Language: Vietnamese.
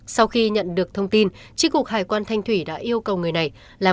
sau khi nhận được thông tin tri cục hải quan thanh thủy đã yêu cầu người này làm